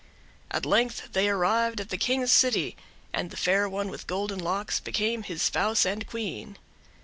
At length they arrived at the King's city, and the Fair One with Golden Locks became his spouse and Queen.